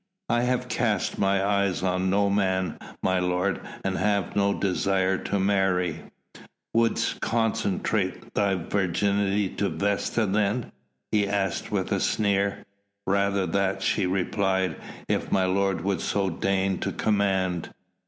"I have cast my eyes on no man, my lord, and have no desire to marry." "Wouldst consecrate thy virginity to Vesta then?" he asked with a sneer. "Rather that," she replied, "if my lord would so deign to command."